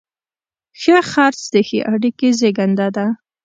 ښه خرڅ د ښې اړیکې زیږنده ده.